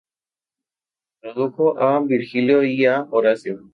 Tradujo a Virgilio y a Horacio.